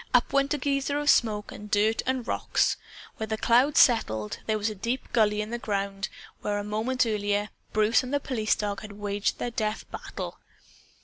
Up went a geyser of smoke and dirt and rocks. When the cloud settled, there was a deep gully in the ground where a moment earlier Bruce and the police dog had waged their death battle.